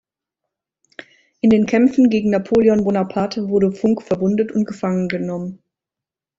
In den Kämpfen gegen Napoleon Bonaparte wurde Funck verwundet und gefangen genommen.